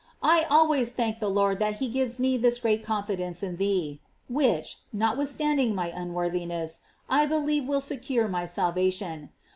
I alwayi thank the Lord that he gives me this great confidence in thee, which, notwithstanding my unworthiness, I believe will secure my salva tion.